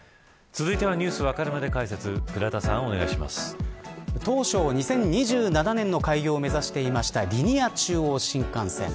続いてはＮｅｗｓわかるまで解説当初、２０２７年の開業を目指していたリニア中央新幹線。